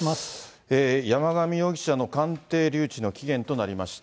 山上容疑者の鑑定留置の期限となりました。